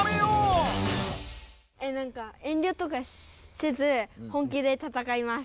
えなんかえんりょとかせず本気で戦います。